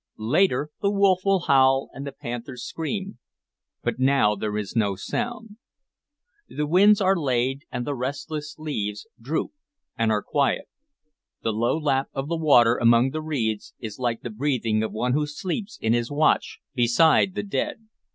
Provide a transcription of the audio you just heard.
Later the wolf will howl and the panther scream, but now there is no sound. The winds are laid, and the restless leaves droop and are quiet. The low lap of the water among the reeds is like the breathing of one who sleeps in his watch beside the dead.